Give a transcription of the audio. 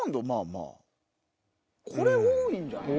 まぁこれ多いんじゃない？